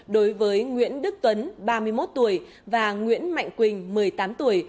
đối với nguyễn đức tuấn ba mươi một tuổi và nguyễn mạnh quỳnh một mươi tám tuổi